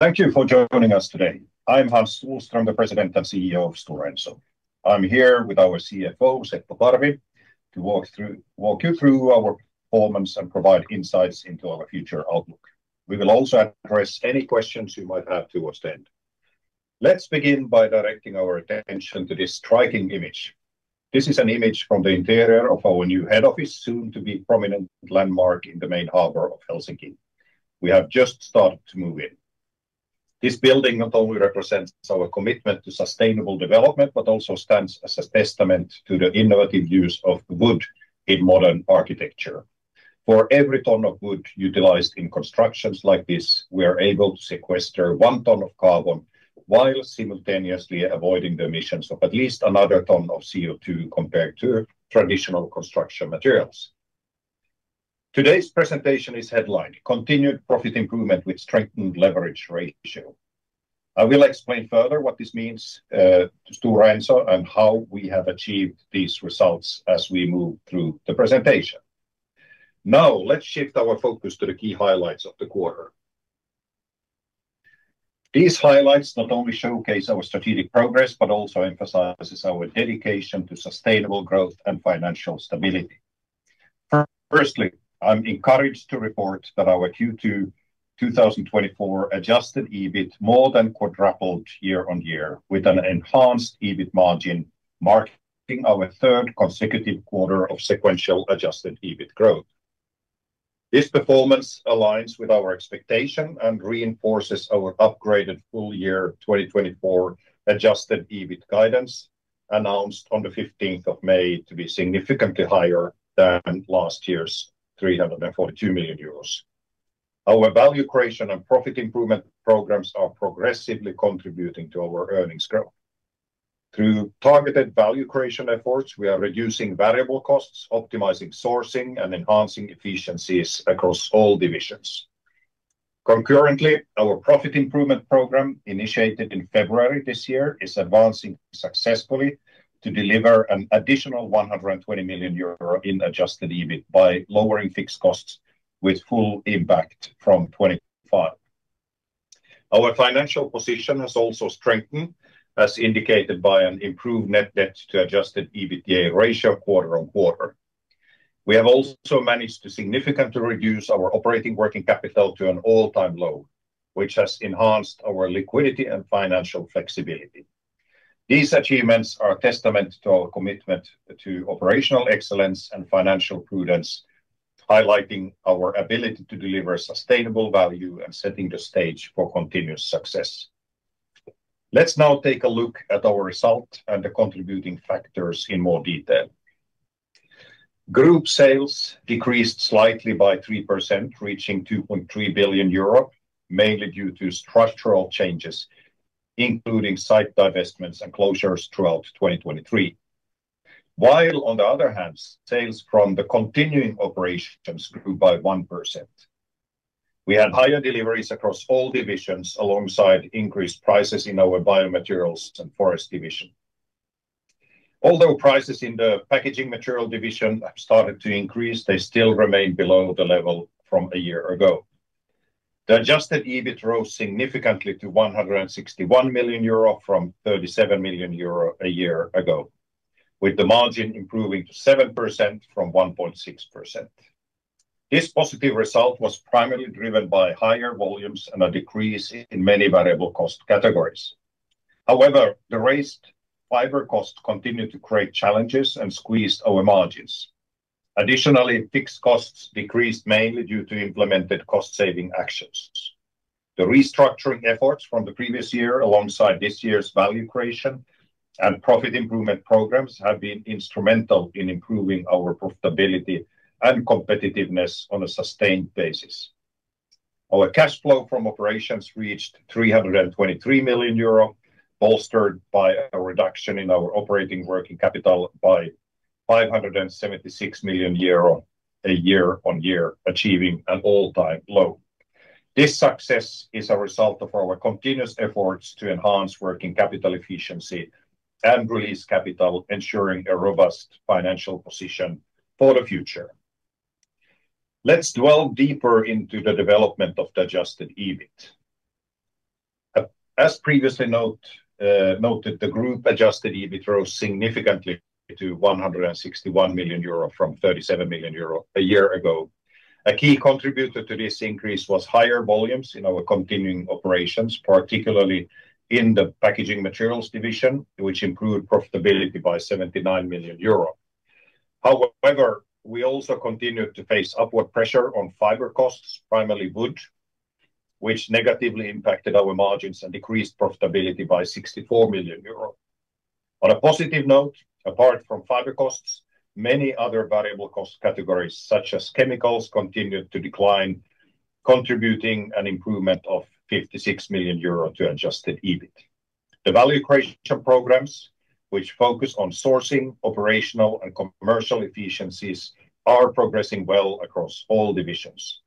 Thank you for joining us today. I'm Hans Sohlström, the President and CEO of Stora Enso. I'm here with our CFO, Seppo Parvi, to walk you through our performance and provide insights into our future outlook. We will also address any questions you might have towards the end. Let's begin by directing our attention to this striking image. This is an image from the interior of our new head office, soon to be a prominent landmark in the main harbor of Helsinki. We have just started to move in. This building not only represents our commitment to sustainable development, but also stands as a testament to the innovative use of wood in modern architecture. For every ton of wood utilized in constructions like this, we are able to sequester one ton of carbon while simultaneously avoiding the emissions of at least another ton of CO2 compared to traditional construction materials. Today's presentation is headlined: "Continued Profit Improvement with Strengthened Leverage Ratio." I will explain further what this means to Stora Enso and how we have achieved these results as we move through the presentation. Now, let's shift our focus to the key highlights of the quarter. These highlights not only showcase our strategic progress, but also emphasize our dedication to sustainable growth and financial stability. Firstly, I'm encouraged to report that our Q2 2024 Adjusted EBIT more than quadrupled year-on-year, with an enhanced EBIT margin marking our third consecutive quarter of sequential Adjusted EBIT growth. This performance aligns with our expectation and reinforces our upgraded full-year 2024 Adjusted EBIT guidance, announced on the 15th of May, to be significantly higher than last year's 342 million euros. Our value creation and profit improvement programs are progressively contributing to our earnings growth. Through targeted value creation efforts, we are reducing variable costs, optimizing sourcing, and enhancing efficiencies across all divisions. Concurrently, our profit improvement program, initiated in February this year, is advancing successfully to deliver an additional 120 million euro in adjusted EBIT by lowering fixed costs with full impact from 2025. Our financial position has also strengthened, as indicated by an improved net debt to adjusted EBIT ratio quarter-over-quarter. We have also managed to significantly reduce our operating working capital to an all-time low, which has enhanced our liquidity and financial flexibility. These achievements are a testament to our commitment to operational excellence and financial prudence, highlighting our ability to deliver sustainable value and setting the stage for continuous success. Let's now take a look at our result and the contributing factors in more detail. Group sales decreased slightly by 3%, reaching 2.3 billion euro, mainly due to structural changes, including site divestments and closures throughout 2023. While, on the other hand, sales from the continuing operations grew by 1%. We had higher deliveries across all divisions, alongside increased prices in our Biomaterials and Forest division. Although prices in the Packaging Material division have started to increase, they still remain below the level from a year ago. The adjusted EBIT rose significantly to 161 million euro from 37 million euro a year ago, with the margin improving to 7% from 1.6%. This positive result was primarily driven by higher volumes and a decrease in many variable cost categories. However, the raised fiber costs continued to create challenges and squeezed our margins. Additionally, fixed costs decreased mainly due to implemented cost-saving actions. The restructuring efforts from the previous year, alongside this year's value creation and profit improvement programs, have been instrumental in improving our profitability and competitiveness on a sustained basis. Our cash flow from operations reached 323 million euro, bolstered by a reduction in our operating working capital by 576 million euro year-over-year, achieving an all-time low. This success is a result of our continuous efforts to enhance working capital efficiency and release capital, ensuring a robust financial position for the future. Let's dwell deeper into the development of the adjusted EBIT. As previously noted, the group adjusted EBIT rose significantly to 161 million euro from 37 million euro a year ago. A key contributor to this increase was higher volumes in our continuing operations, particularly in the packaging materials division, which improved profitability by 79 million euros. However, we also continued to face upward pressure on fiber costs, primarily wood, which negatively impacted our margins and decreased profitability by 64 million euros. On a positive note, apart from fiber costs, many other variable cost categories, such as chemicals, continued to decline, contributing to an improvement of 56 million euro to Adjusted EBIT. The value creation programs, which focus on sourcing, operational, and commercial efficiencies, are progressing well across all divisions.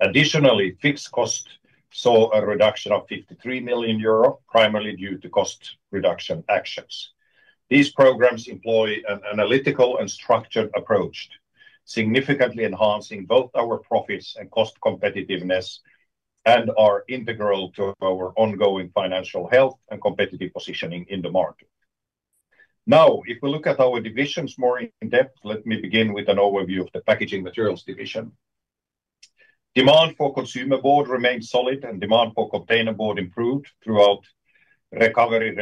Additionally, fixed costs saw a reduction of 53 million euro, primarily due to cost reduction actions. These programs employ an analytical and structured approach, significantly enhancing both our profits and cost competitiveness and are integral to our ongoing financial health and competitive positioning in the market. Now, if we look at our divisions more in depth, let me begin with an overview of the Packaging Materials division. Demand for consumer board remained solid, and demand for container board improved throughout recovery,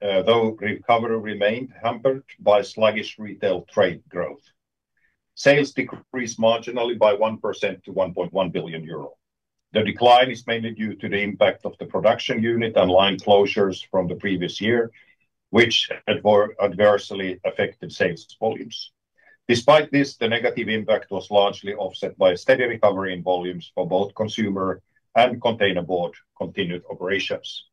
though recovery remained hampered by sluggish retail trade growth. Sales decreased marginally by 1% to 1.1 billion euro. The decline is mainly due to the impact of the production unit and line closures from the previous year, which adversely affected sales volumes. Despite this, the negative impact was largely offset by a steady recovery in volumes for both consumer and container board continued operations.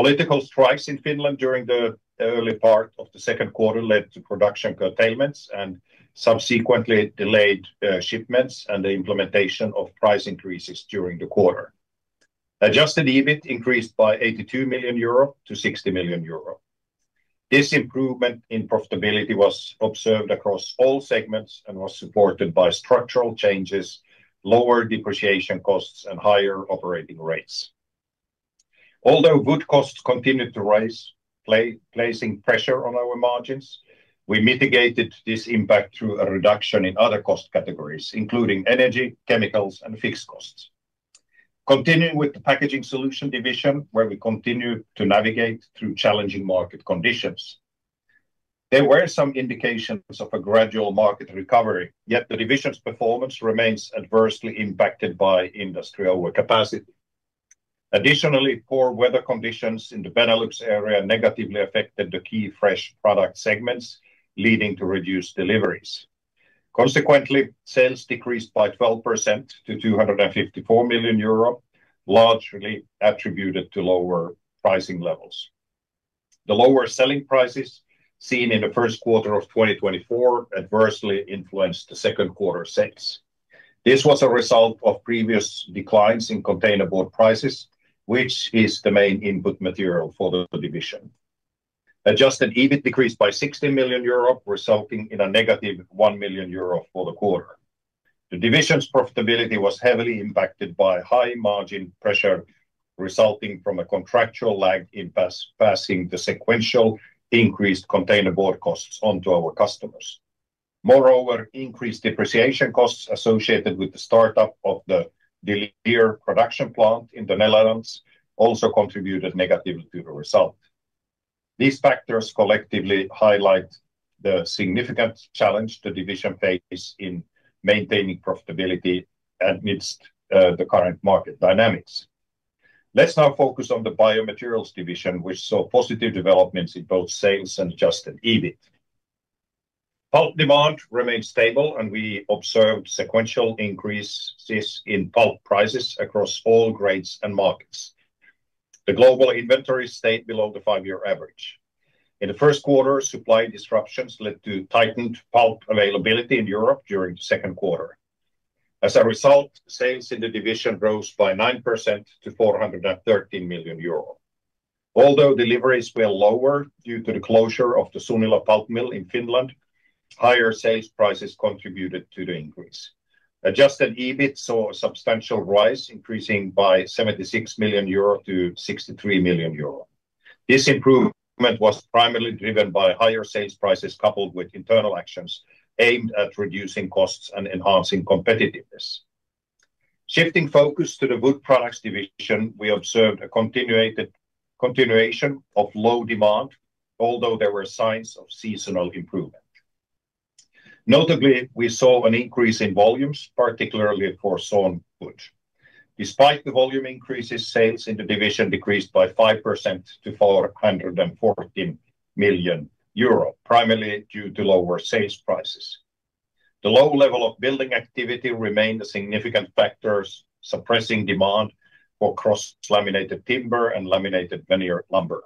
Political strikes in Finland during the early part of the second quarter led to production curtailments and subsequently delayed shipments and the implementation of price increases during the quarter. Adjusted EBIT increased by 82 million-60 million euro. This improvement in profitability was observed across all segments and was supported by structural changes, lower depreciation costs, and higher operating rates. Although wood costs continued to rise, placing pressure on our margins, we mitigated this impact through a reduction in other cost categories, including energy, chemicals, and fixed costs. Continuing with the Packaging Solutions division, where we continue to navigate through challenging market conditions. There were some indications of a gradual market recovery, yet the division's performance remains adversely impacted by industrial capacity. Additionally, poor weather conditions in the Benelux area negatively affected the key fresh product segments, leading to reduced deliveries. Consequently, sales decreased by 12% to 254 million euro, largely attributed to lower pricing levels. The lower selling prices seen in the first quarter of 2024 adversely influenced the second quarter sales. This was a result of previous declines in containerboard prices, which is the main input material for the division. Adjusted EBIT decreased by 60 million euro, resulting in a negative 1 million euro for the quarter. The division's profitability was heavily impacted by high margin pressure resulting from a contractual lag in passing the sequential increased containerboard costs onto our customers. Moreover, increased depreciation costs associated with the startup of the De Lier production plant in the Netherlands also contributed negatively to the result. These factors collectively highlight the significant challenge the division faces in maintaining profitability amidst the current market dynamics. Let's now focus on the Biomaterials division, which saw positive developments in both sales and Adjusted EBIT. Pulp demand remained stable, and we observed sequential increases in pulp prices across all grades and markets. The global inventory stayed below the five-year average. In the first quarter, supply disruptions led to tightened pulp availability in Europe during the second quarter. As a result, sales in the division rose by 9% to 413 million euro. Although deliveries were lower due to the closure of the Sunila pulp mill in Finland, higher sales prices contributed to the increase. Adjusted EBIT saw a substantial rise, increasing by 76 million-63 million euro. This improvement was primarily driven by higher sales prices coupled with internal actions aimed at reducing costs and enhancing competitiveness. Shifting focus to the Wood Products division, we observed a continuation of low demand, although there were signs of seasonal improvement. Notably, we saw an increase in volumes, particularly for sawn wood. Despite the volume increases, sales in the division decreased by 5% to 414 million euro, primarily due to lower sales prices. The low level of building activity remained a significant factor, suppressing demand for cross-laminated timber and laminated veneer lumber.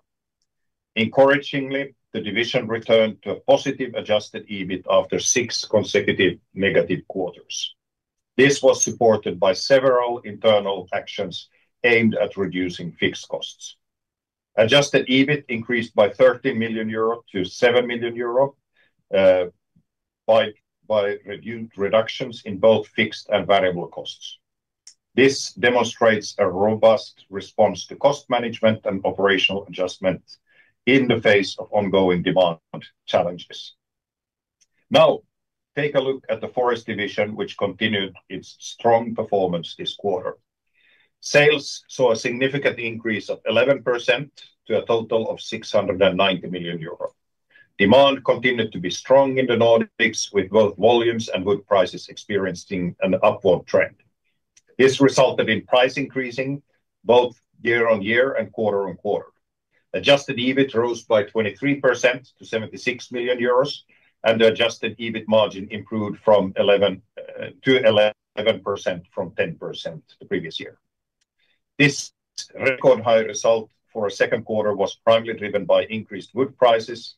Encouragingly, the division returned to a positive Adjusted EBIT after six consecutive negative quarters. This was supported by several internal actions aimed at reducing fixed costs. Adjusted EBIT increased by 13 million-7 million euro by reductions in both fixed and variable costs. This demonstrates a robust response to cost management and operational adjustment in the face of ongoing demand challenges. Now, take a look at the Forest division, which continued its strong performance this quarter. Sales saw a significant increase of 11% to a total of 690 million euros. Demand continued to be strong in the Nordics, with both volumes and wood prices experiencing an upward trend. This resulted in price increasing both year-on-year and quarter-on-quarter. Adjusted EBIT rose by 23% to 76 million euros, and the Adjusted EBIT margin improved from 11%-11% from 10% the previous year. This record high result for the second quarter was primarily driven by increased wood prices,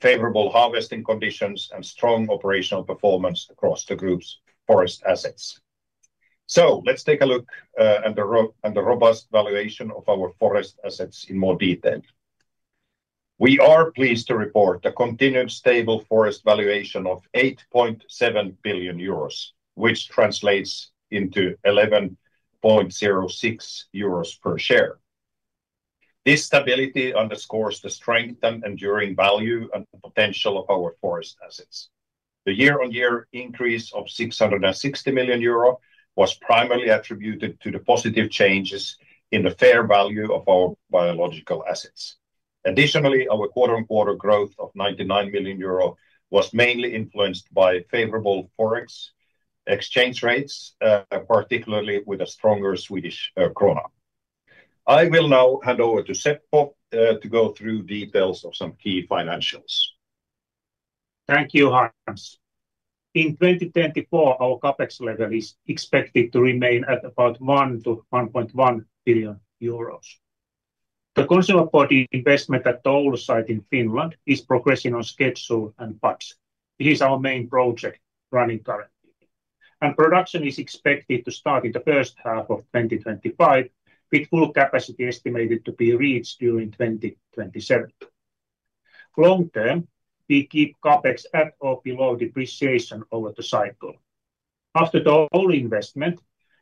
favorable harvesting conditions, and strong operational performance across the group's forest assets. So, let's take a look at the robust valuation of our forest assets in more detail. We are pleased to report a continued stable forest valuation of 8.7 billion euros, which translates into 11.06 euros per share. This stability underscores the strength and enduring value and potential of our forest assets. The year-on-year increase of 660 million euro was primarily attributed to the positive changes in the fair value of our biological assets. Additionally, our quarter-on-quarter growth of 99 million euro was mainly influenced by favorable foreign exchange rates, particularly with a stronger Swedish Krona. I will now hand over to Seppo to go through details of some key financials. Thank you, Hans.In 2024, our CapEx level is expected to remain at about 1 billion-1.1 billion euros. The Consumer Board investment at the Oulu site in Finland is progressing on schedule and as planned. This is our main project running currently, and production is expected to start in the first half of 2025, with full capacity estimated to be reached during 2027. Long term, we keep CapEx at or below depreciation over the cycle. After the Oulu investment,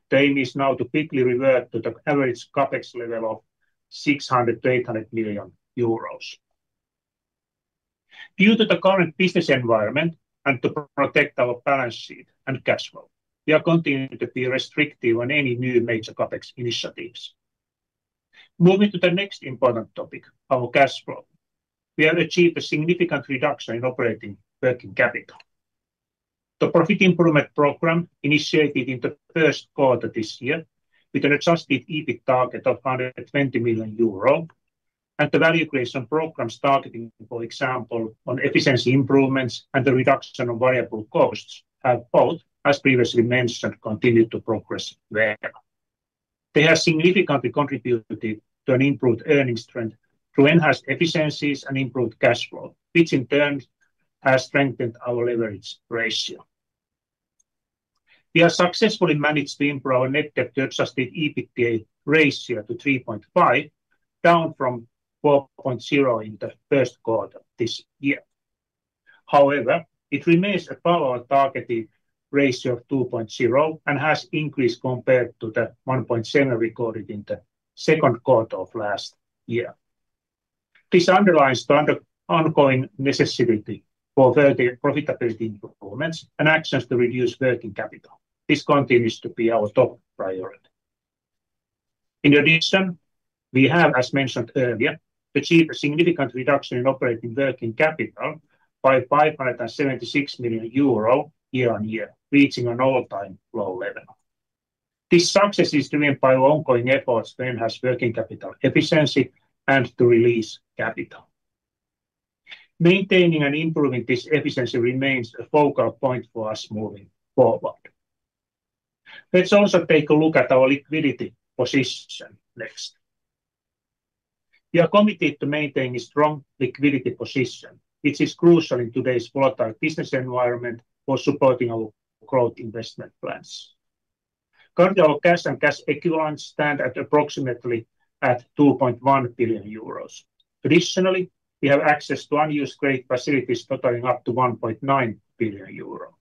the aim is now to quickly revert to the average CapEx level of 600 million-800 million euros. Due to the current business environment and to protect our balance sheet and cash flow, we are continuing to be restrictive on any new major CapEx initiatives. Moving to the next important topic, our cash flow, we have achieved a significant reduction in operating working capital. The Profit Improvement Program initiated in the first quarter this year, with an Adjusted EBIT target of 120 million euro, and the Value Creation programs targeting, for example, on efficiency improvements and the reduction of variable costs have both, as previously mentioned, continued to progress well. They have significantly contributed to an improved earnings trend through enhanced efficiencies and improved cash flow, which in turn has strengthened our Leverage Ratio. We have successfully managed to improve our Net Debt to Adjusted EBIT Ratio to 3.5, down from 4.0 in the first quarter this year. However, it remains a parallel targeted ratio of 2.0 and has increased compared to the 1.7 recorded in the second quarter of last year. This underlines the ongoing necessity for profitability performance and actions to reduce working capital. This continues to be our top priority. In addition, we have, as mentioned earlier, achieved a significant reduction in Operating Working Capital by 576 million euro year-over-year, reaching an all-time low level. This success is driven by our ongoing efforts to enhance working capital efficiency and to release capital. Maintaining and improving this efficiency remains a focal point for us moving forward. Let's also take a look at our liquidity position next. We are committed to maintaining a strong liquidity position, which is crucial in today's volatile business environment for supporting our growth investment plans. Currently, our cash and cash equivalents stand at approximately 2.1 billion euros. Additionally, we have access to unused credit facilities totaling up to 1.9 billion euros.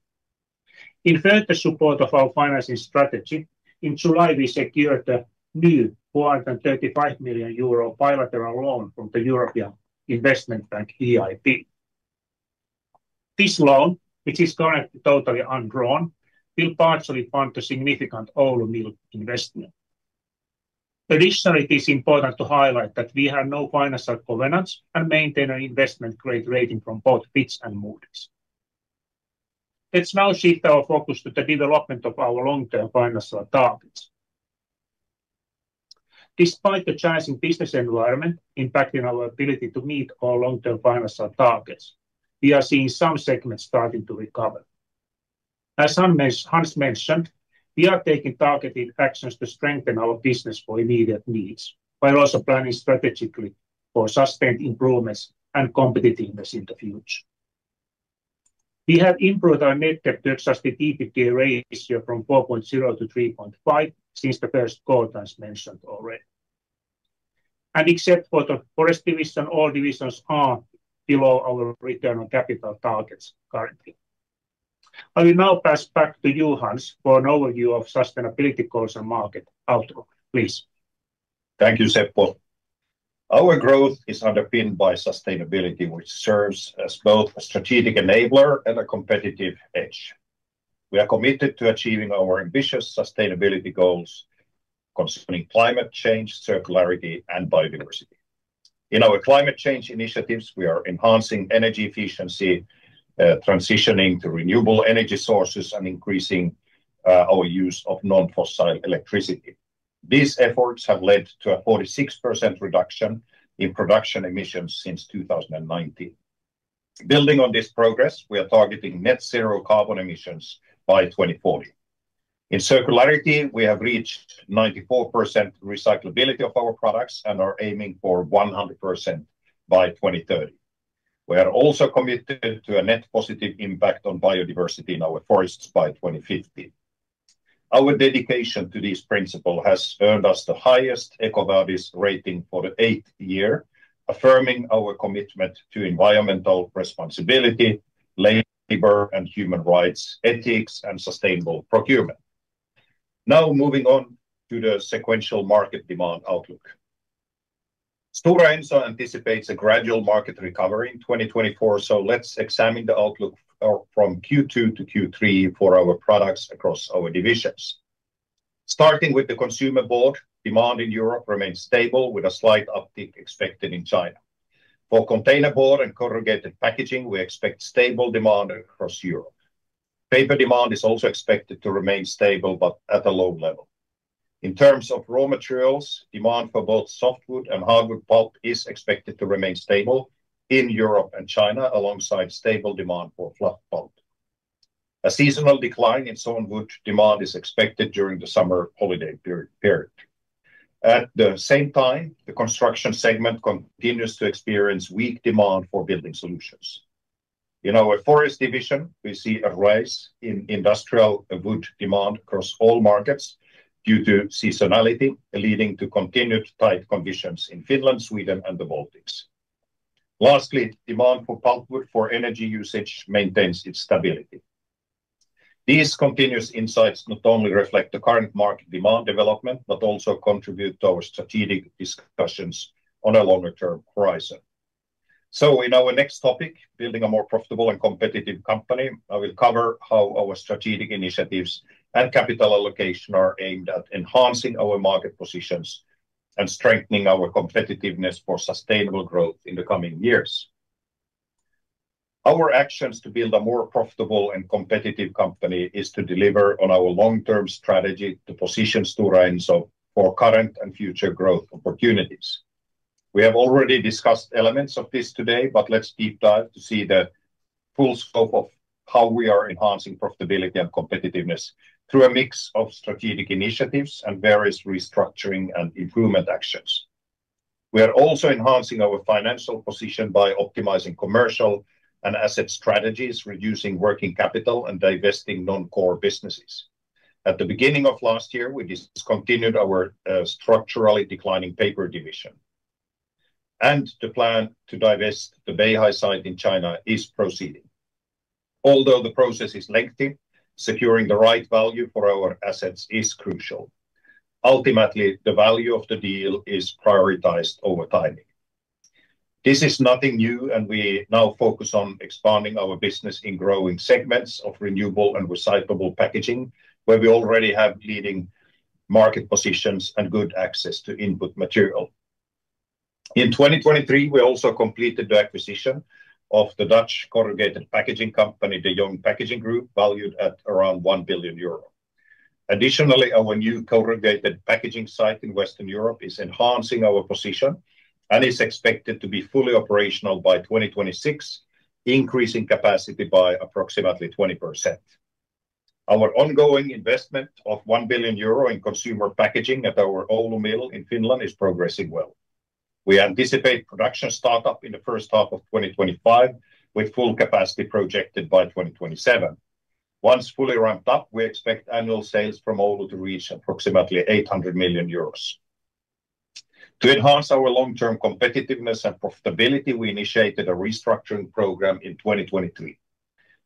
In further support of our financing strategy, in July, we secured a new 435 million euro bilateral loan from the European Investment Bank (EIB).This loan, which is currently totally undrawn, will partially fund a significant Oulu mill investment. Additionally, it is important to highlight that we have no financial covenants and maintain an investment grade rating from both Fitch and Moody's. Let's now shift our focus to the development of our long-term financial targets. Despite the challenging business environment impacting our ability to meet our long-term financial targets, we are seeing some segments starting to recover. As Hans mentioned, we are taking targeted actions to strengthen our business for immediate needs, while also planning strategically for sustained improvements and competitiveness in the future. We have improved our net debt to adjusted EBIT ratio from 4.0-3.5 since the first quarter, as mentioned already. Except for the forest division, all divisions are below our return on capital targets currently.I will now pass back to you, Hans, for an overview of sustainability goals and market outlook, please. Thank you, Seppo. Our growth is underpinned by sustainability, which serves as both a strategic enabler and a competitive edge. We are committed to achieving our ambitious sustainability goals concerning climate change, circularity, and biodiversity. In our climate change initiatives, we are enhancing energy efficiency, transitioning to renewable energy sources, and increasing our use of non-fossil electricity. These efforts have led to a 46% reduction in production emissions since 2019. Building on this progress, we are targeting net zero carbon emissions by 2040. In circularity, we have reached 94% recyclability of our products and are aiming for 100% by 2030. We are also committed to a net positive impact on biodiversity in our forests by 2050.Our dedication to this principle has earned us the highest EcoVadis rating for the eighth year, affirming our commitment to environmental responsibility, labor and human rights ethics, and sustainable procurement. Now, moving on to the sequential market demand outlook. Stora Enso anticipates a gradual market recovery in 2024, so let's examine the outlook from Q2-Q3 for our products across our divisions. Starting with the consumer board, demand in Europe remains stable, with a slight uptick expected in China. For container board and corrugated packaging, we expect stable demand across Europe. Paper demand is also expected to remain stable, but at a low level. In terms of raw materials, demand for both softwood and hardwood pulp is expected to remain stable in Europe and China, alongside stable demand for fluff pulp. A seasonal decline in sawn wood demand is expected during the summer holiday period. At the same time, the construction segment continues to experience weak demand for building solutions. In our forest division, we see a rise in industrial wood demand across all markets due to seasonality, leading to continued tight conditions in Finland, Sweden, and the Baltics. Lastly, demand for pulp wood for energy usage maintains its stability. These continuous insights not only reflect the current market demand development, but also contribute to our strategic discussions on a longer-term horizon. So, in our next topic, building a more profitable and competitive company, I will cover how our strategic initiatives and capital allocation are aimed at enhancing our market positions and strengthening our competitiveness for sustainable growth in the coming years. Our actions to build a more profitable and competitive company is to deliver on our long-term strategy to position Stora Enso for current and future growth opportunities. We have already discussed elements of this today, but let's deep dive to see the full scope of how we are enhancing profitability and competitiveness through a mix of strategic initiatives and various restructuring and improvement actions. We are also enhancing our financial position by optimizing commercial and asset strategies, reducing working capital, and divesting non-core businesses. At the beginning of last year, we discontinued our structurally declining Paper division, and the plan to divest the Beihai site in China is proceeding. Although the process is lengthy, securing the right value for our assets is crucial. Ultimately, the value of the deal is prioritized over timing. This is nothing new, and we now focus on expanding our business in growing segments of renewable and recyclable packaging, where we already have leading market positions and good access to input material. In 2023, we also completed the acquisition of the Dutch corrugated packaging company, De Jong Packaging Group, valued at around 1 billion euro. Additionally, our new corrugated packaging site in Western Europe is enhancing our position and is expected to be fully operational by 2026, increasing capacity by approximately 20%. Our ongoing investment of 1 billion euro in consumer packaging at our Oulu mill in Finland is progressing well. We anticipate production startup in the first half of 2025, with full capacity projected by 2027. Once fully ramped up, we expect annual sales from Oulu to reach approximately 800 million euros. To enhance our long-term competitiveness and profitability, we initiated a restructuring program in 2023.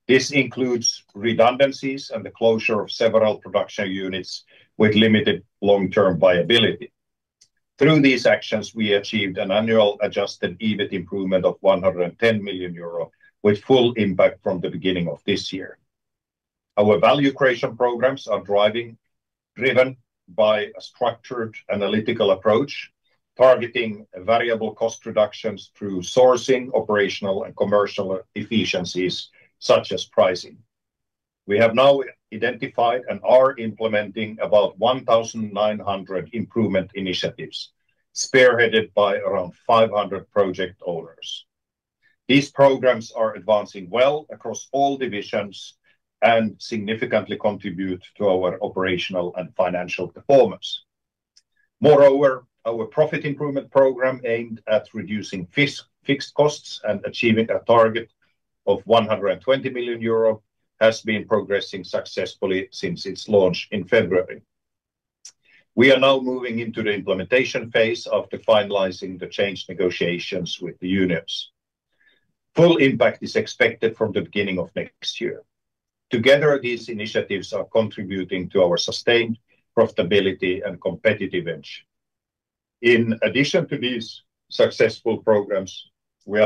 This includes redundancies and the closure of several production units with limited long-term viability. Through these actions, we achieved an annual adjusted EBIT improvement of 110 million euro, with full impact from the beginning of this year. Our value creation programs are driven by a structured analytical approach, targeting variable cost reductions through sourcing, operational, and commercial efficiencies such as pricing. We have now identified and are implementing about 1,900 improvement initiatives, spearheaded by around 500 project owners. These programs are advancing well across all divisions and significantly contribute to our operational and financial performance. Moreover, our profit improvement program aimed at reducing fixed costs and achieving a target of 120 million euro has been progressing successfully since its launch in February. We are now moving into the implementation phase after finalizing the change negotiations with the unions. Full impact is expected from the beginning of next year. Together, these initiatives are contributing to our sustained profitability and competitive edge. In addition to these successful programs, we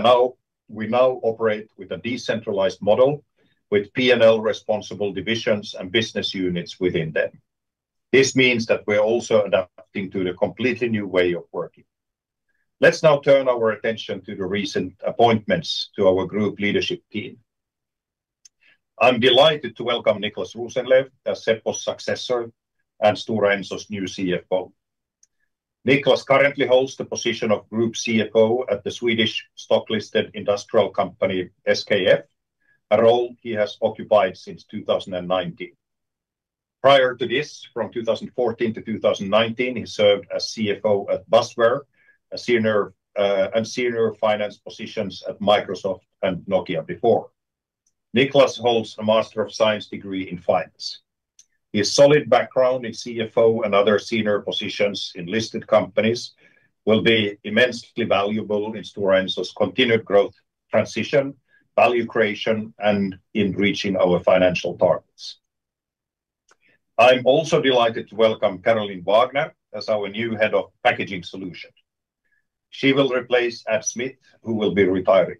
now operate with a decentralized model with P&L responsible divisions and business units within them. This means that we are also adapting to the completely new way of working. Let's now turn our attention to the recent appointments to our group leadership team. I'm delighted to welcome Niclas Rosenlew, Seppo's successor and Stora Enso's new CFO. Niclas currently holds the position of Group CFO at the Swedish stock-listed industrial company SKF, a role he has occupied since 2019. Prior to this, from 2014 to 2019, he served as CFO at Basware, and senior finance positions at Microsoft and Nokia before. Niclas holds a Master of Science degree in finance. His solid background in CFO and other senior positions in listed companies will be immensely valuable in Stora Enso's continued growth transition, value creation, and in reaching our financial targets. I'm also delighted to welcome Carolyn Wagner as our new head of Packaging Solutions. She will replace Ad Smit, who will be retiring.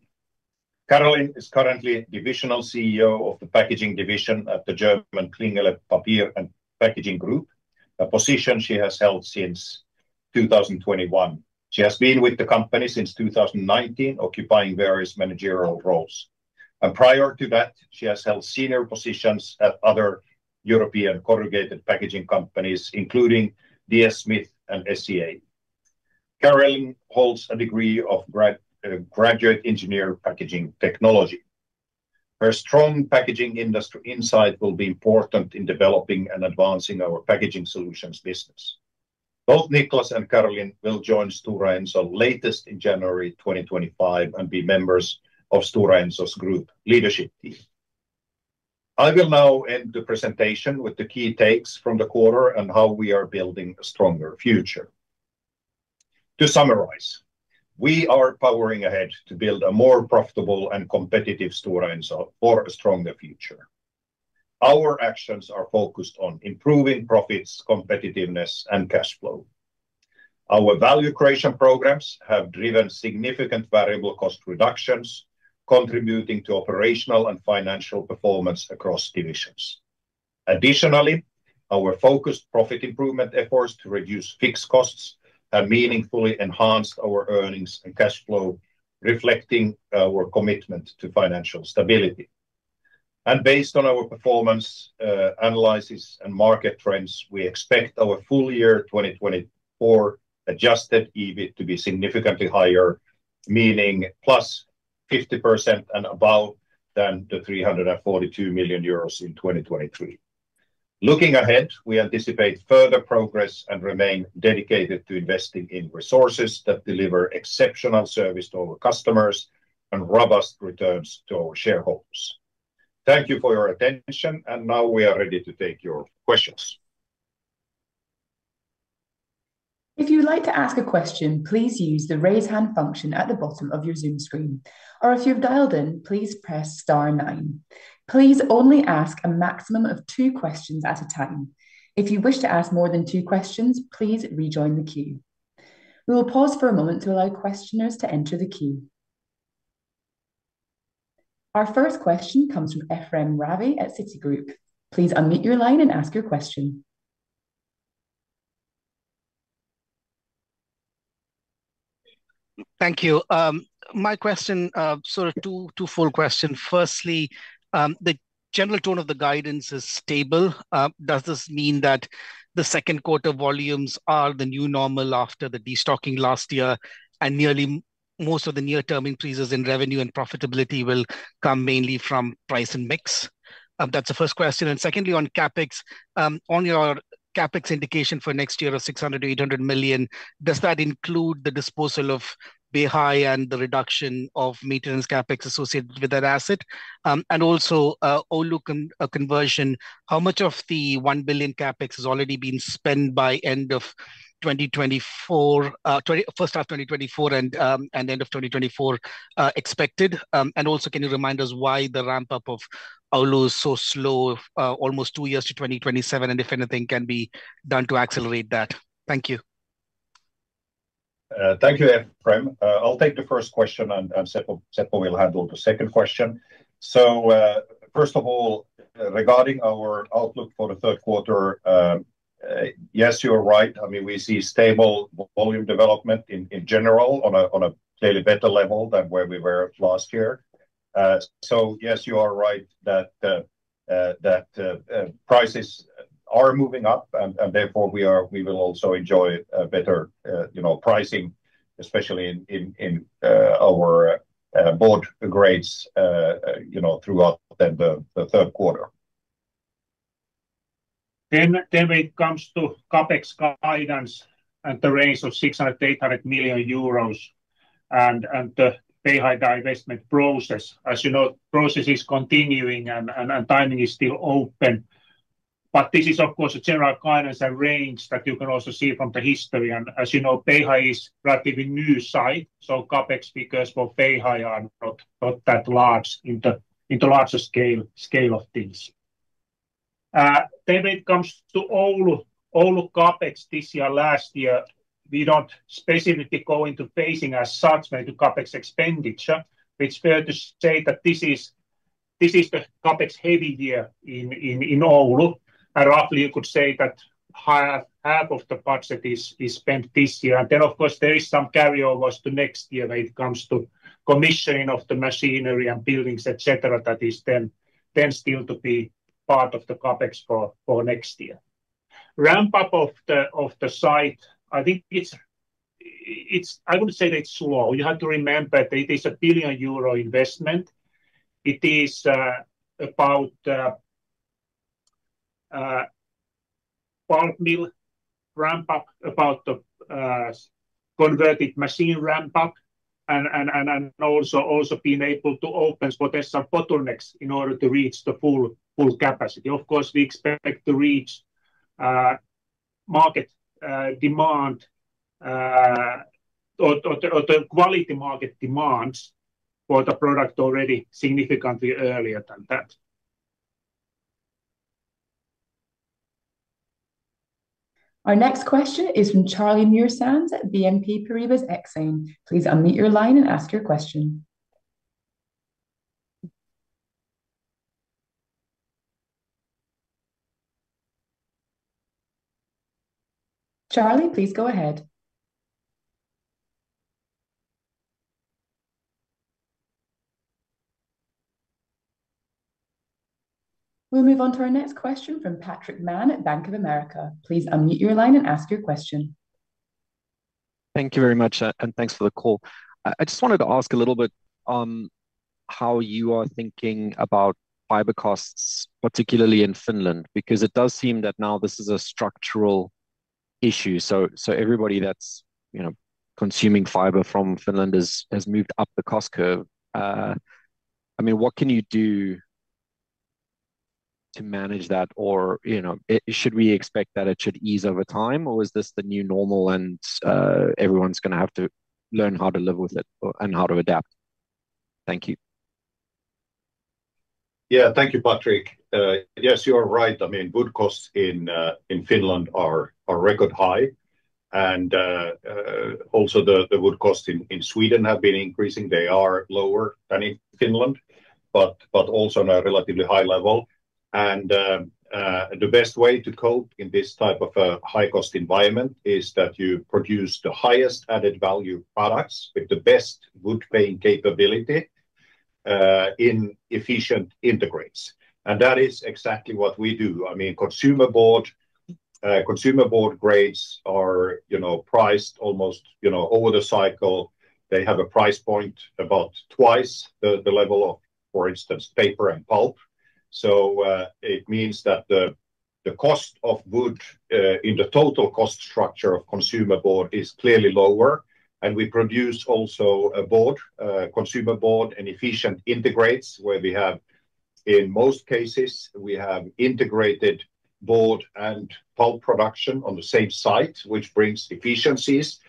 Carolyn is currently divisional CEO of the Packaging division at the German Klingele Paper & Packaging Group, a position she has held since 2021. She has been with the company since 2019, occupying various managerial roles. Prior to that, she has held senior positions at other European corrugated packaging companies, including DS Smith and SCA. Carolyn holds a degree of graduate engineer packaging technology. Her strong packaging industry insight will be important in developing and advancing our packaging solutions business. Both Niclas and Carolyn will join Stora Enso latest in January 2025 and be members of Stora Enso's group leadership team. I will now end the presentation with the key takes from the quarter and how we are building a stronger future. To summarize, we are powering ahead to build a more profitable and competitive Stora Enso for a stronger future. Our actions are focused on improving profits, competitiveness, and cash flow. Our value creation programs have driven significant variable cost reductions, contributing to operational and financial performance across divisions. Additionally, our focused profit improvement efforts to reduce fixed costs have meaningfully enhanced our earnings and cash flow, reflecting our commitment to financial stability. Based on our performance analysis and market trends, we expect our full year 2024 adjusted EBIT to be significantly higher, meaning +50% and above than the 342 million euros in 2023. Looking ahead, we anticipate further progress and remain dedicated to investing in resources that deliver exceptional service to our customers and robust returns to our shareholders. Thank you for your attention, and now we are ready to take your questions. If you would like to ask a question, please use the raise hand function at the bottom of your Zoom screen, or if you've dialed in, please press star nine. Please only ask a maximum of two questions at a time. If you wish to ask more than two questions, please rejoin the queue. We will pause for a moment to allow questioners to enter the queue. Our first question comes from Ephrem Ravi at Citigroup. Please unmute your line and ask your question. Thank you. My question, sort of two full questions. Firstly, the general tone of the guidance is stable. Does this mean that the second quarter volumes are the new normal after the destocking last year, and nearly most of the near-term increases in revenue and profitability will come mainly from price and mix? That's the first question. Secondly, on CapEx, on your CapEx indication for next year of 600 million-800 million, does that include the disposal of Beihai and the reduction of maintenance CapEx associated with that asset? And also Oulu conversion, how much of the 1 billion CapEx has already been spent by end of 2024, first half 2024 and end of 2024 expected? And also, can you remind us why the ramp-up of Oulu is so slow, almost two years to 2027, and if anything can be done to accelerate that? Thank you. Thank you, Ephrem. I'll take the first question, and Seppo will handle the second question. So first of all, regarding our outlook for the third quarter, yes, you're right. I mean, we see stable volume development in general on a daily basis level than where we were last year. So yes, you are right that prices are moving up, and therefore we will also enjoy better pricing, especially in our board grades throughout the third quarter. Then when it comes to CapEx guidance and the range of 600 million-800 million euros and the Beihai divestment process, as you know, the process is continuing and timing is still open. But this is, of course, a general guidance and range that you can also see from the history. And as you know, Beihai is a relatively new site, so CapEx figures for Beihai are not that large in the larger scale of things. Then when it comes to Oulu CapEx this year and last year, we don't specifically go into phasing as such when it comes to CapEx expenditure. We're supposed to say that this is the CapEx heavy year in Oulu. And roughly, you could say that half of the budget is spent this year. And then, of course, there are some carryovers to next year when it comes to commissioning of the machinery and buildings, etc., that is then still to be part of the CapEx for next year. Ramp-up of the site, I think it's—I wouldn't say that it's slow. You have to remember that it is a 1 billion euro investment. It is about a 12 million ramp-up, about the converted machine ramp-up, and also being able to open what are some bottlenecks in order to reach the full capacity. Of course, we expect to reach market demand or the quality market demands for the product already significantly earlier than that. Our next question is from Charlie Muir-Sands at BNP Paribas Exane. Please unmute your line and ask your question. Charlie, please go ahead. We'll move on to our next question from Patrick Mann at Bank of America. Please unmute your line and ask your question. Thank you very much, and thanks for the call. I just wanted to ask a little bit on how you are thinking about fiber costs, particularly in Finland, because it does seem that now this is a structural issue. So everybody that's consuming fiber from Finland has moved up the cost curve. I mean, what can you do to manage that? Or should we expect that it should ease over time, or is this the new normal and everyone's going to have to learn how to live with it and how to adapt? Thank you. Yeah, thank you, Patrick. Yes, you're right. I mean, wood costs in Finland are record high. And also the wood costs in Sweden have been increasing. They are lower than in Finland, but also on a relatively high level. The best way to cope in this type of high-cost environment is that you produce the highest added value products with the best wood-paying capability in efficient integrates. And that is exactly what we do. I mean, consumer board grades are priced almost over the cycle. They have a price point about twice the level of, for instance, paper and pulp. So it means that the cost of wood in the total cost structure of consumer board is clearly lower. And we produce also consumer board and efficient integrates, where we have, in most cases, we have integrated board and pulp production on the same site, which brings efficiencies.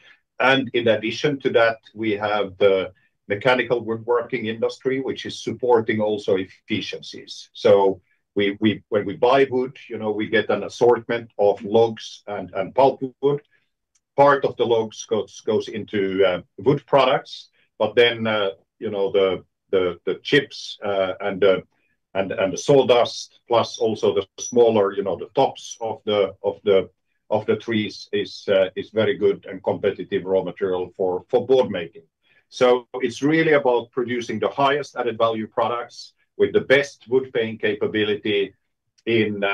And in addition to that, we have the mechanical woodworking industry, which is supporting also efficiencies. So when we buy wood, we get an assortment of logs and pulpwood. Part of the logs goes into wood products, but then the chips and the sawdust, plus also the smaller tops of the trees, is very good and competitive raw material for board making. So it's really about producing the highest added value products with the best wood-paying capability in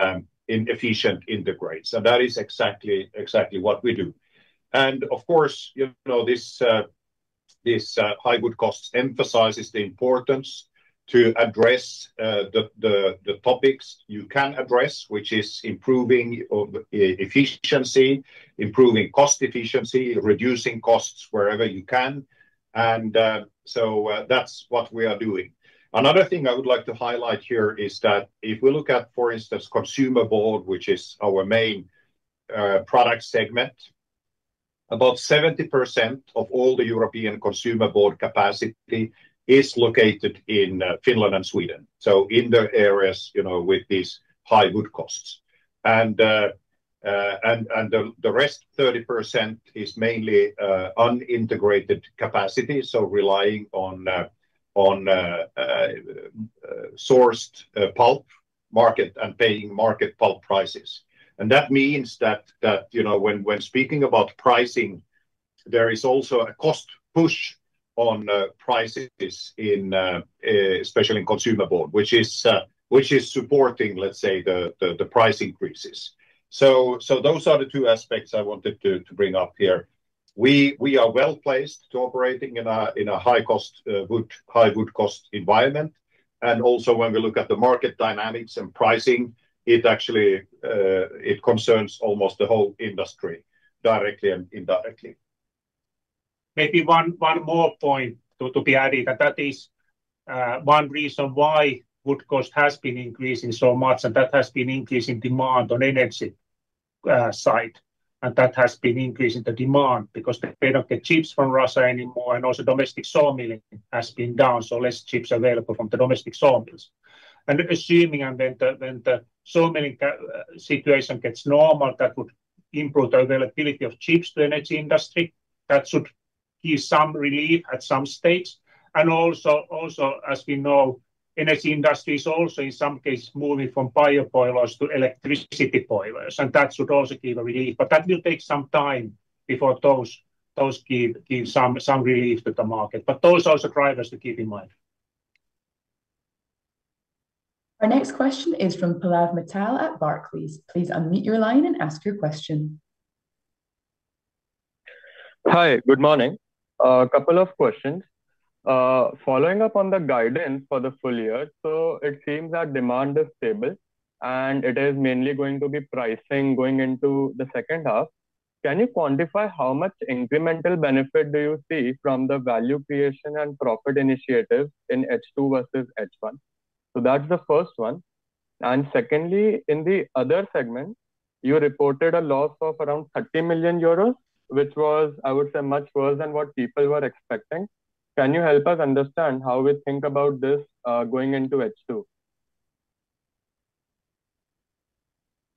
efficient integrates. And that is exactly what we do. And of course, this high wood costs emphasizes the importance to address the topics you can address, which is improving efficiency, improving cost efficiency, reducing costs wherever you can. And so that's what we are doing. Another thing I would like to highlight here is that if we look at, for instance, consumer board, which is our main product segment, about 70% of all the European consumer board capacity is located in Finland and Sweden. So in the areas with these high wood costs. And the rest 30% is mainly unintegrated capacity, so relying on sourced pulp market and paying market pulp prices. And that means that when speaking about pricing, there is also a cost push on prices, especially in consumer board, which is supporting, let's say, the price increases. So those are the two aspects I wanted to bring up here. We are well placed to operating in a high-cost wood, high wood cost environment. And also when we look at the market dynamics and pricing, it actually concerns almost the whole industry directly and indirectly. Maybe one more point to be added that that is one reason why wood cost has been increasing so much, and that has been increasing demand on energy side. And that has been increasing the demand because they don't get chips from Russia anymore, and also domestic sawmilling has been down, so less chips available from the domestic sawmills. And assuming when the sawmilling situation gets normal, that would improve the availability of chips to the energy industry. That should give some relief at some stage. And also, as we know, the energy industry is also in some cases moving from bio boilers to electric boilers, and that should also give a relief. But that will take some time before those give some relief to the market. But those are also drivers to keep in mind. Our next question is from Pallav Mittal at Barclays. Please unmute your line and ask your question. Hi, good morning. A couple of questions. Following up on the guidance for the full year, so it seems that demand is stable, and it is mainly going to be pricing going into the second half. Can you quantify how much incremental benefit do you see from the value creation and profit initiative in H2 versus H1? So that's the first one. And secondly, in the other segment, you reported a loss of around 30 million euros, which was, I would say, much worse than what people were expecting. Can you help us understand how we think about this going into H2?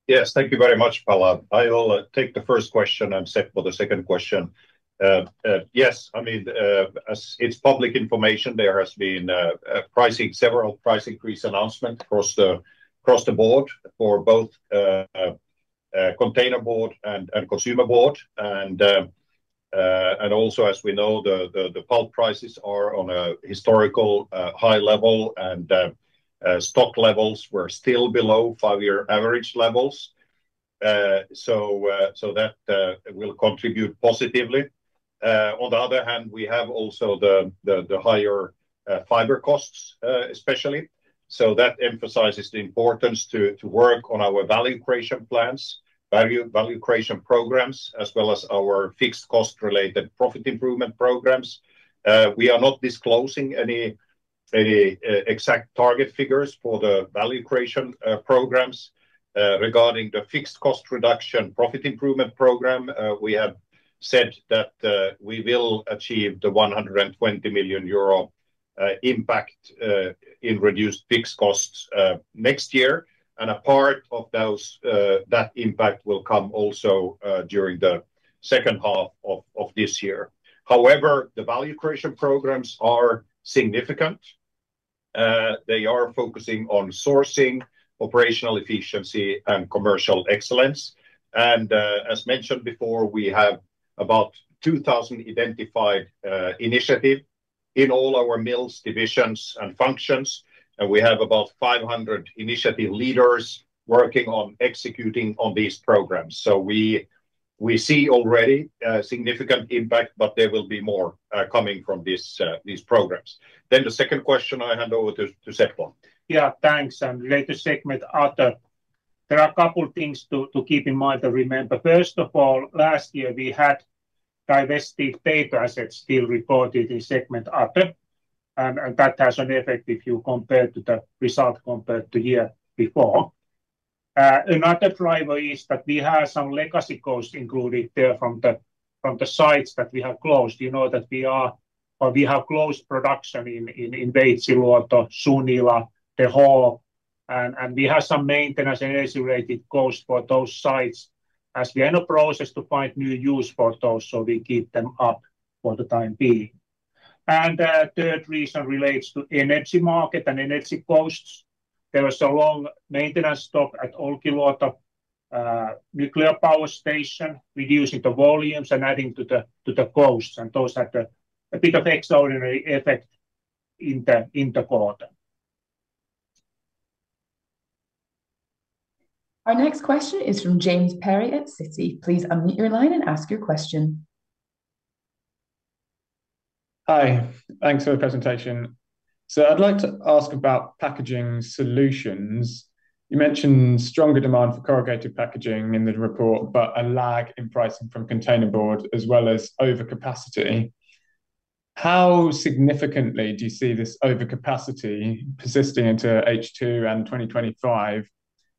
Yes, thank you very much, Pallav. I'll take the first question and Seppo the second question. Yes, I mean, it's public information. There has been several price increase announcements across the board for both container board and consumer board. And also, as we know, the pulp prices are on a historical high level, and stock levels were still below five-year average levels. So that will contribute positively. On the other hand, we have also the higher fiber costs, especially. So that emphasizes the importance to work on our value creation plans, value creation programs, as well as our fixed cost-related profit improvement programs. We are not disclosing any exact target figures for the value creation programs. Regarding the fixed cost reduction profit improvement program, we have said that we will achieve the 120 million euro impact in reduced fixed costs next year. And a part of that impact will come also during the second half of this year. However, the value creation programs are significant. They are focusing on sourcing, operational efficiency, and commercial excellence. As mentioned before, we have about 2,000 identified initiatives in all our mills, divisions, and functions. And we have about 500 initiative leaders working on executing on these programs. So we see already a significant impact, but there will be more coming from these programs. Then the second question, I hand over to Seppo. Yeah, thanks. And related to segment EBIT, there are a couple of things to keep in mind and remember. First of all, last year we had divested paper assets still reported in segment EBIT. And that has an effect if you compare to the result compared to the year before. Another driver is that we have some legacy costs included there from the sites that we have closed. You know that we have closed production in Veitsiluoto, Sunila, De Hoop. And we have some maintenance and energy-related costs for those sites. As we are in the process to find new use for those, so we keep them up for the time being. And the third reason relates to energy market and energy costs. There was a long maintenance stop at Olkiluoto nuclear power station, reducing the volumes and adding to the costs. And those had a bit of extraordinary effect in the quarter. Our next question is from James Perry at Citi. Please unmute your line and ask your question. Hi, thanks for the presentation. So I'd like to ask about Packaging Solutions. You mentioned stronger demand for corrugated packaging in the report, but a lag in pricing from containerboard as well as overcapacity. How significantly do you see this overcapacity persisting into H2 and 2025,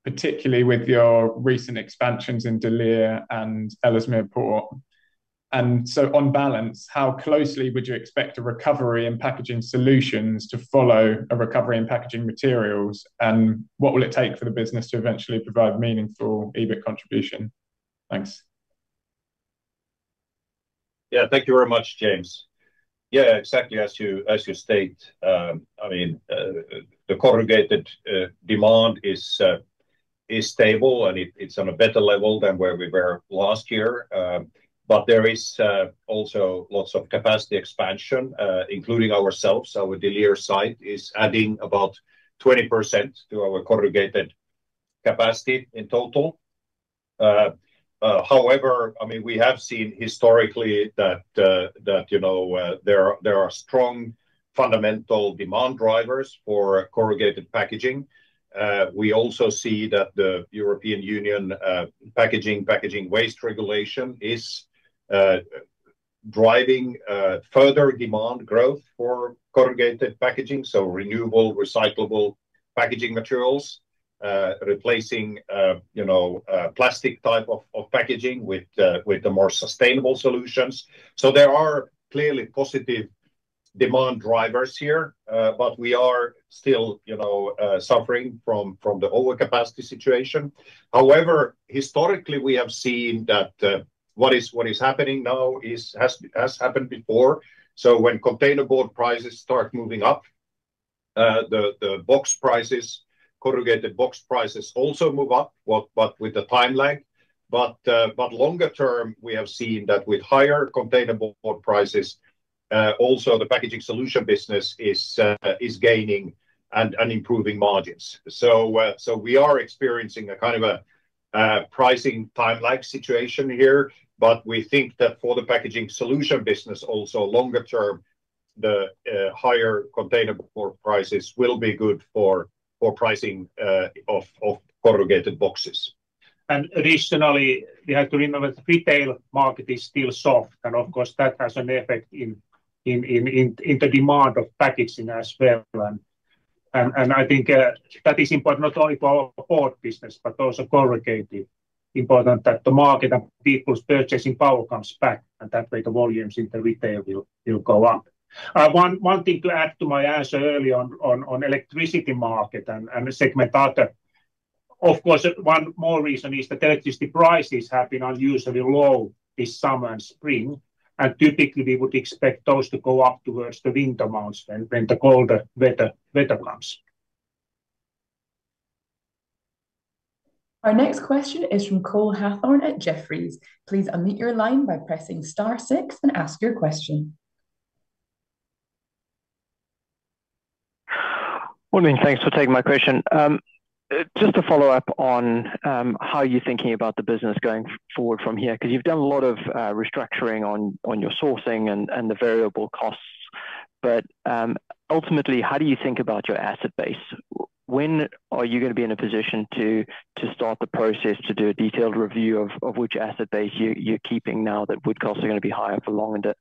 particularly with your recent expansions in De Lier and Ellesmere Port? So on balance, how closely would you expect a recovery in packaging solutions to follow a recovery in packaging materials? And what will it take for the business to eventually provide meaningful EBIT contribution? Thanks. Yeah, thank you very much, James. Yeah, exactly as you state. I mean, the corrugated demand is stable, and it's on a better level than where we were last year. But there is also lots of capacity expansion, including ourselves. Our De Lier site is adding about 20% to our corrugated capacity in total. However, I mean, we have seen historically that there are strong fundamental demand drivers for corrugated packaging. We also see that the European Union packaging waste regulation is driving further demand growth for corrugated packaging, so renewable, recyclable packaging materials, replacing plastic type of packaging with the more sustainable solutions. So there are clearly positive demand drivers here, but we are still suffering from the overcapacity situation. However, historically, we have seen that what is happening now has happened before. So when container board prices start moving up, the box prices, corrugated box prices also move up, but with the time lag. But longer term, we have seen that with higher container board prices, also the packaging solution business is gaining and improving margins. So we are experiencing a kind of a pricing time lag situation here, but we think that for the packaging solution business, also longer term, the higher container board prices will be good for pricing of corrugated boxes. And additionally, we have to remember the retail market is still soft. And of course, that has an effect in the demand of packaging as well. And I think that is important not only for our board business, but also corrugated. Important that the market and people's purchasing power comes back, and that way the volumes in the retail will go up. One thing to add to my answer earlier on electricity market and Segment Other. Of course, one more reason is that electricity prices have been unusually low this summer and spring. And typically, we would expect those to go up towards the winter months when the colder weather comes. Our next question is from Cole Hathorn at Jefferies. Please unmute your line by pressing star six and ask your question. Morning, thanks for taking my question. Just to follow up on how you're thinking about the business going forward from here, because you've done a lot of restructuring on your sourcing and the variable costs. But ultimately, how do you think about your asset base? When are you going to be in a position to start the process to do a detailed review of which asset base you're keeping now that wood costs are going to be higher for longer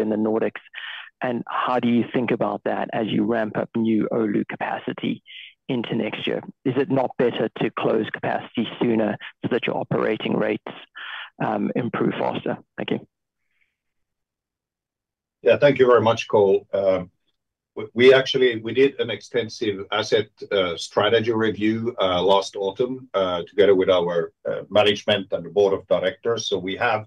in the Nordics? And how do you think about that as you ramp up new Oulu capacity into next year? Is it not better to close capacity sooner so that your operating rates improve faster? Thank you. Yeah, thank you very much, Cole. We did an extensive asset strategy review last autumn together with our management and the board of directors. So we have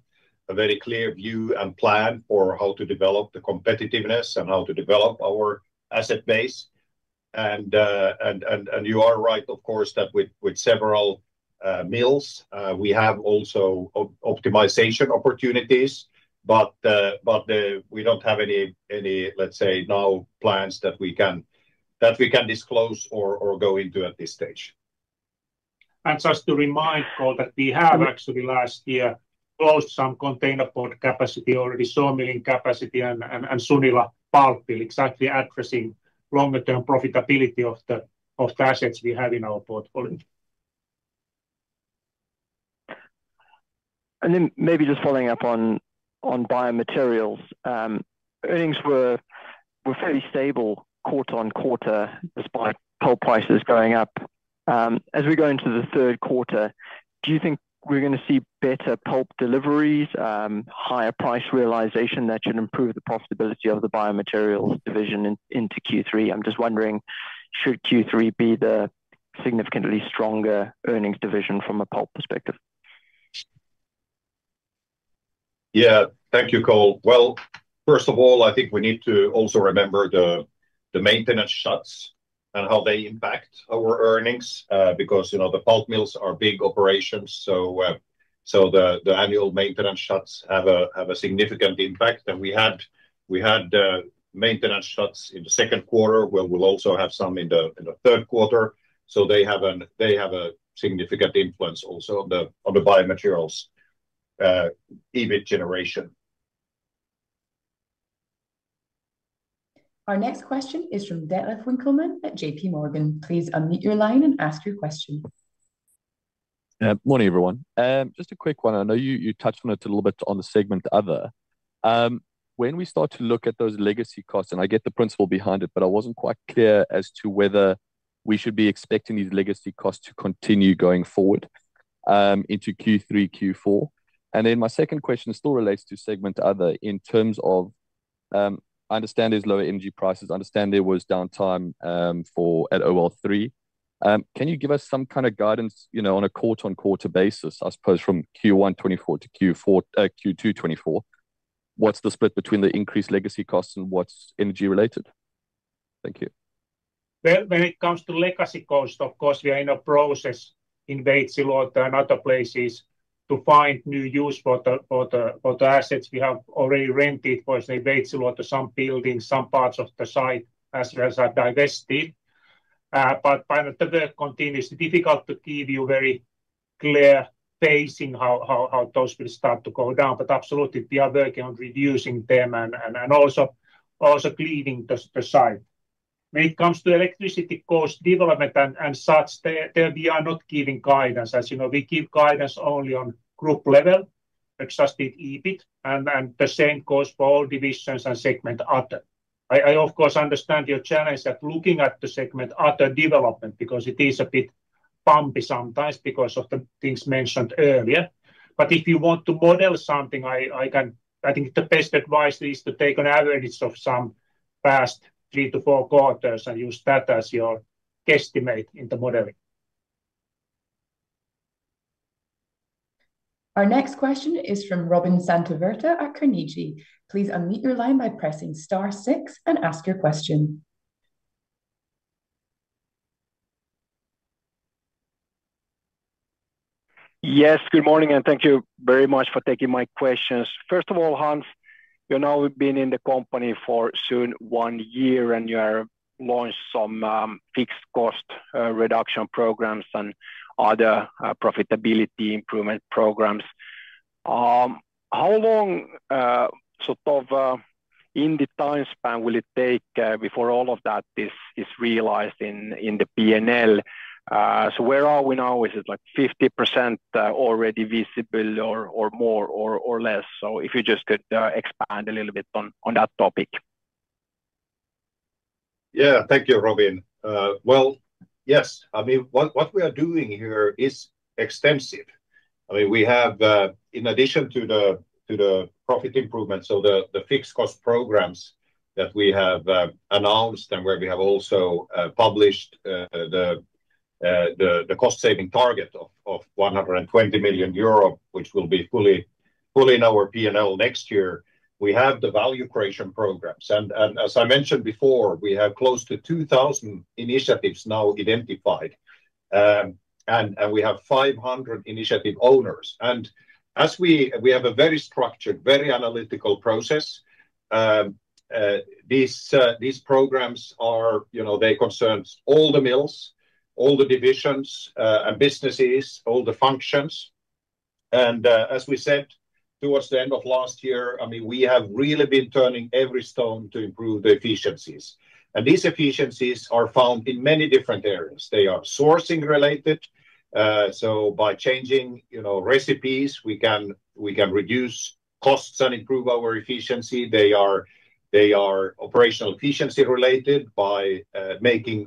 a very clear view and plan for how to develop the competitiveness and how to develop our asset base. You are right, of course, that with several mills, we have also optimization opportunities, but we don't have any, let's say, now plans that we can disclose or go into at this stage. And just to remind, Cole, that we have actually last year closed some containerboard capacity, and sawmilling capacity and Sunila pulp, exactly addressing longer-term profitability of the assets we have in our portfolio. And then maybe just following up on Biomaterials, earnings were fairly stable quarter-on-quarter despite pulp prices going up. As we go into the third quarter, do you think we're going to see better pulp deliveries, higher price realization that should improve the profitability of the Biomaterials division into Q3? I'm just wondering, should Q3 be the significantly stronger earnings division from a pulp perspective? Yeah, thank you, Cole.Well, first of all, I think we need to also remember the maintenance shuts and how they impact our earnings because the pulp mills are big operations. So the annual maintenance shuts have a significant impact. We had maintenance shuts in the second quarter, where we'll also have some in the third quarter. So they have a significant influence also on the Biomaterials EBIT generation. Our next question is from Detlef Winckelmann at JPMorgan. Please unmute your line and ask your question. Morning, everyone. Just a quick one. I know you touched on it a little bit on the segment EBIT. When we start to look at those legacy costs, and I get the principle behind it, but I wasn't quite clear as to whether we should be expecting these legacy costs to continue going forward into Q3, Q4. Then my second question still relates to Segment Other in terms of, I understand there's lower energy prices, I understand there was downtime at OL3. Can you give us some kind of guidance on a quarter-on-quarter basis, I suppose, from Q1 2024-Q2 2024? What's the split between the increased legacy costs and what's energy-related? Thank you. When it comes to legacy costs, of course, we are in a process in Veitsiluoto and other places to find new use for the assets. We have already rented for Veitsiluoto some buildings, some parts of the site as well as divested. The work continues. It's difficult to give you a very clear phasing how those will start to go down. Absolutely, we are working on reducing them and also cleaning the site. When it comes to electricity cost development and such, we are not giving guidance. As you know, we give guidance only on group level, Adjusted EBIT, and the same goes for all divisions and segment EBIT. I, of course, understand your challenge at looking at the segment EBIT development because it is a bit bumpy sometimes because of the things mentioned earlier. But if you want to model something, I think the best advice is to take an average of some past three to four quarters and use that as your estimate in the modeling. Our next question is from Robin Santavirta at Carnegie. Please unmute your line by pressing star six and ask your question. Yes, good morning, and thank you very much for taking my questions. First of all, Hans, you know we've been in the company for soon one year, and you have launched some fixed cost reduction programs and other profitability improvement programs. How long, sort of in the time span, will it take before all of that is realized in the P&L? So where are we now? Is it like 50% already visible or more or less? So if you just could expand a little bit on that topic. Yeah, thank you, Robin. Well, yes, I mean, what we are doing here is extensive. I mean, we have, in addition to the profit improvements, so the fixed cost programs that we have announced and where we have also published the cost-saving target of 120 million euro, which will be fully in our P&L next year, we have the value creation programs. And as I mentioned before, we have close to 2,000 initiatives now identified, and we have 500 initiative owners. As we have a very structured, very analytical process, these programs, they concern all the mills, all the divisions and businesses, all the functions. As we said towards the end of last year, I mean, we have really been turning every stone to improve the efficiencies. These efficiencies are found in many different areas. They are sourcing-related. By changing recipes, we can reduce costs and improve our efficiency. They are operational efficiency-related by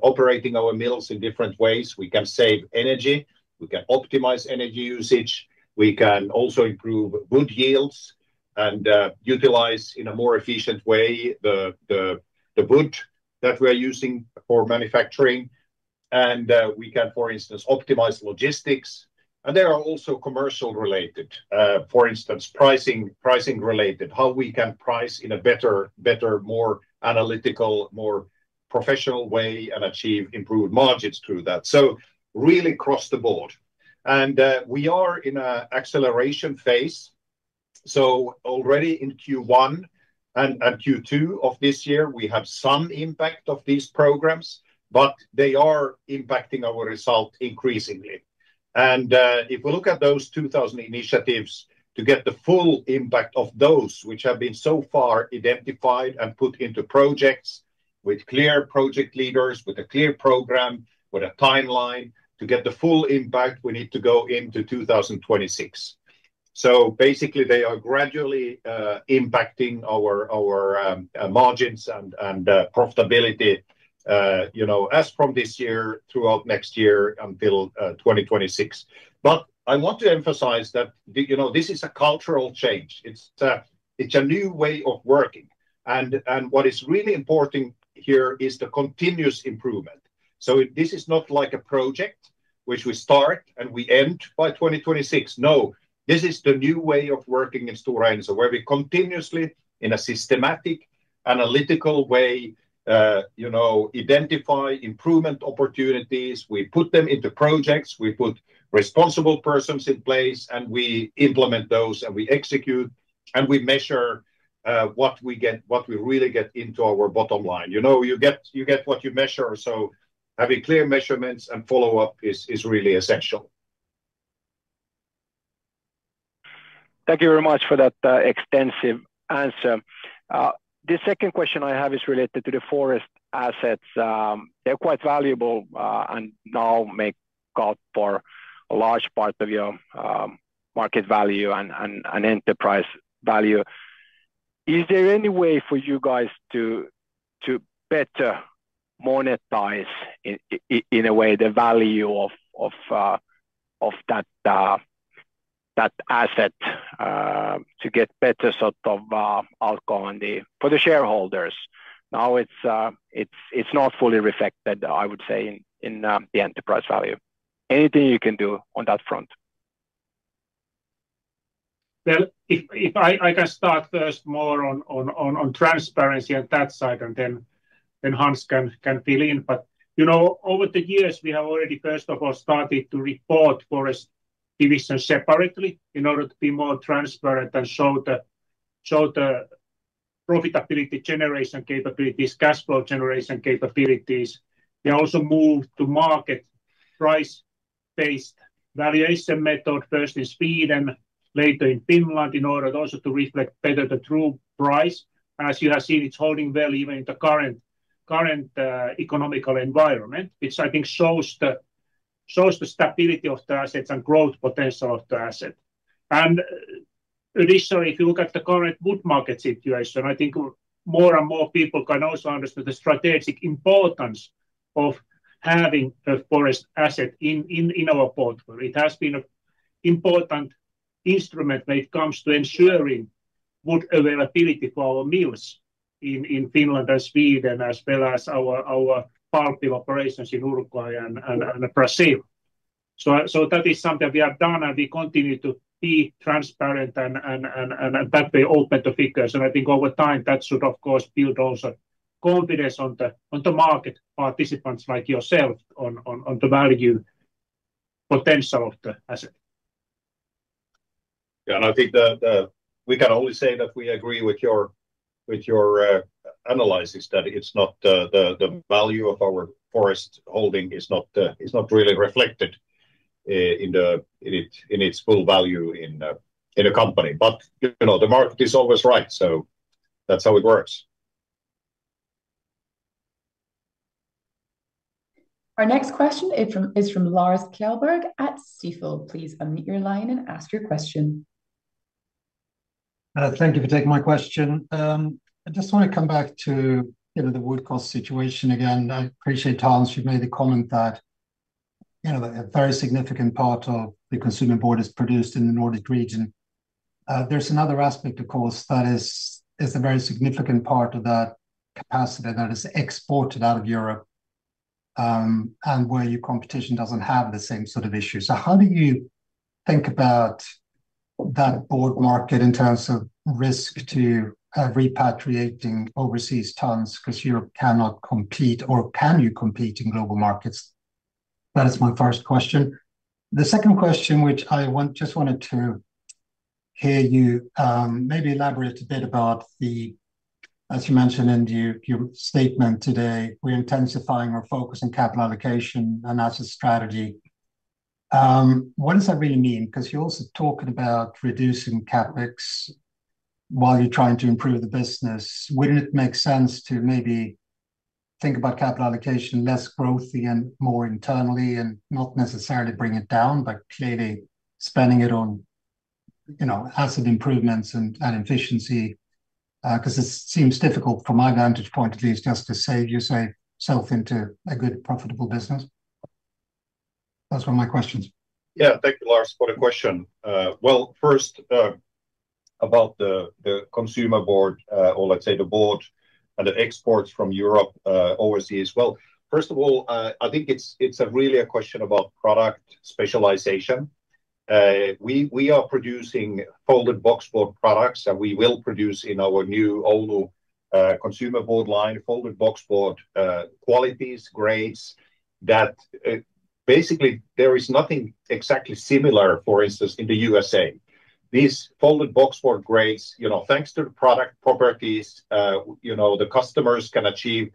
operating our mills in different ways. We can save energy. We can optimize energy usage. We can also improve wood yields and utilize in a more efficient way the wood that we are using for manufacturing. We can, for instance, optimize logistics. There are also commercial-related, for instance, pricing-related, how we can price in a better, more analytical, more professional way and achieve improved margins through that. Really across the board. We are in an acceleration phase. Already in Q1 and Q2 of this year, we have some impact of these programs, but they are impacting our result increasingly. If we look at those 2,000 initiatives to get the full impact of those which have been so far identified and put into projects with clear project leaders, with a clear program, with a timeline to get the full impact, we need to go into 2026. Basically, they are gradually impacting our margins and profitability as from this year throughout next year until 2026. But I want to emphasize that this is a cultural change. It's a new way of working. What is really important here is the continuous improvement. This is not like a project which we start and we end by 2026.No, this is the new way of working in Stora Enso where we continuously, in a systematic, analytical way, identify improvement opportunities. We put them into projects. We put responsible persons in place, and we implement those, and we execute, and we measure what we really get into our bottom line. You get what you measure. So having clear measurements and follow-up is really essential. Thank you very much for that extensive answer. The second question I have is related to the forest assets. They're quite valuable and now make up for a large part of your market value and enterprise value. Is there any way for you guys to better monetize in a way the value of that asset to get better sort of outcome for the shareholders? Now it's not fully reflected, I would say, in the enterprise value. Anything you can do on that front? Well, if I can start first more on transparency on that side, and then Hans can fill in. But over the years, we have already, first of all, started to report forest divisions separately in order to be more transparent and show the profitability generation capabilities, cash flow generation capabilities. We also moved to market price-based valuation method, first in Sweden, later in Finland, in order also to reflect better the true price. As you have seen, it's holding well even in the current economic environment, which I think shows the stability of the assets and growth potential of the asset. And additionally, if you look at the current wood market situation, I think more and more people can also understand the strategic importance of having a forest asset in our portfolio.It has been an important instrument when it comes to ensuring wood availability for our mills in Finland and Sweden, as well as our pulp operations in Uruguay and Brazil. So that is something we have done, and we continue to be transparent and that way open to figures. I think over time, that should, of course, build also confidence on the market participants like yourself on the value potential of the asset. Yeah, and I think we can only say that we agree with your analysis that it's not the value of our forest holding is not really reflected in its full value in a company. But the market is always right, so that's how it works. Our next question is from Lars Kjellberg at Stifel. Please unmute your line and ask your question. Thank you for taking my question.I just want to come back to the wood cost situation again. I appreciate, Hans, you've made the comment that a very significant part of the consumer board is produced in the Nordic region. There's another aspect, of course, that is a very significant part of that capacity that is exported out of Europe and where your competition doesn't have the same sort of issues. So how do you think about that board market in terms of risk to repatriating overseas tons because Europe cannot compete or can you compete in global markets? That is my first question. The second question, which I just wanted to hear you maybe elaborate a bit about the, as you mentioned in your statement today, we're intensifying our focus on capital allocation and asset strategy. What does that really mean? Because you're also talking about reducing CapEx while you're trying to improve the business. Wouldn't it make sense to maybe think about capital allocation less growthy and more internally and not necessarily bring it down, but clearly spending it on asset improvements and efficiency? Because it seems difficult from my vantage point, at least, just to save yourself into a good, profitable business. That's one of my questions. Yeah, thank you, Lars, for the question. Well, first about the consumer board, or let's say the board and the exports from Europe overseas. Well, first of all, I think it's really a question about product specialization. We are producing folding boxboard products, and we will produce in our new Oulu consumer board line, folding boxboard qualities, grades that basically there is nothing exactly similar, for instance, in the USA. These folding boxboard grades, thanks to the product properties, the customers can achieve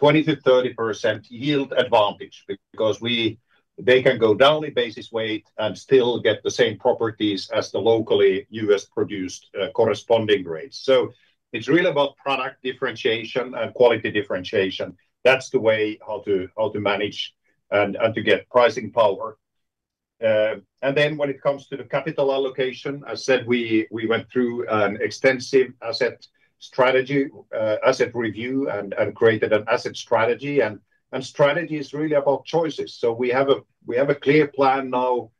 20%-30% yield advantage because they can go down in basis weight and still get the same properties as the locally US-produced corresponding grades. So it's really about product differentiation and quality differentiation. That's the way how to manage and to get pricing power. And then when it comes to the capital allocation, as I said, we went through an extensive asset review and created an asset strategy. And strategy is really about choices. So we have a clear plan now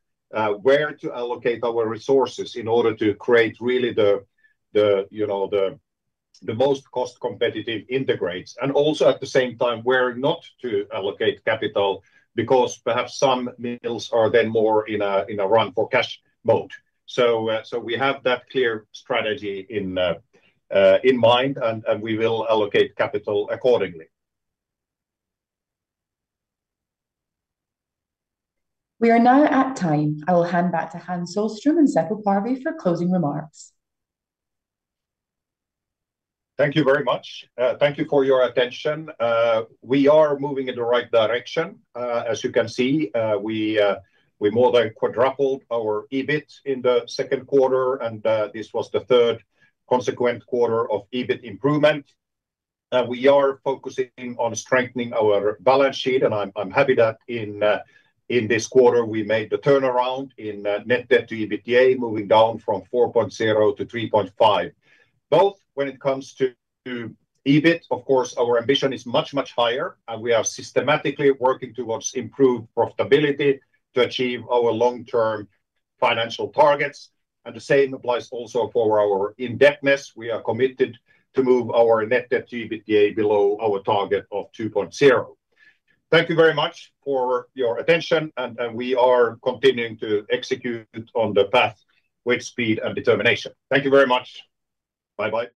where to allocate our resources in order to create really the most cost-competitive integrates. And also at the same time, where not to allocate capital because perhaps some mills are then more in a run-for-cash mode. So we have that clear strategy in mind, and we will allocate capital accordingly. We are now at time.I will hand back to Hans Sohlström and Seppo Parvi for closing remarks. Thank you very much. Thank you for your attention. We are moving in the right direction. As you can see, we more than quadrupled our EBIT in the second quarter, and this was the third consecutive quarter of EBIT improvement. We are focusing on strengthening our balance sheet, and I'm happy that in this quarter, we made the turnaround in net debt to EBITDA, moving down from 4.0-3.5. Both when it comes to EBIT, of course, our ambition is much, much higher, and we are systematically working towards improved profitability to achieve our long-term financial targets. The same applies also for our indebtedness. We are committed to move our net debt to EBITDA below our target of 2.0. Thank you very much for your attention, and we are continuing to execute on the path with speed and determination. Thank you very much. Bye-bye.